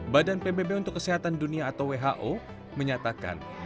badan pbb untuk kesehatan dunia atau who menyatakan